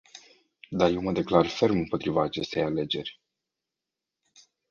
Dar eu mă declar ferm împotriva acestei alegeri.